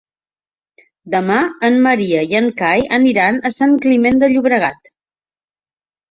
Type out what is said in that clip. Demà en Maria i en Cai aniran a Sant Climent de Llobregat.